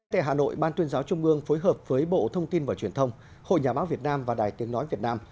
tại hà nội ban tuyên giáo trung ương phối hợp với bộ thông tin và truyền thông hội nhà báo việt nam và đài tiếng nói việt nam